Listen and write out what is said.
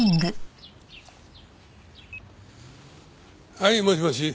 はいもしもし。